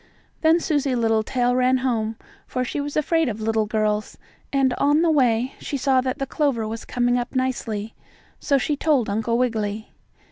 Then Susie Littletail ran home, for she was afraid of little girls, and on the way she saw that the clover was coming up nicely, so she told Uncle Wiggily.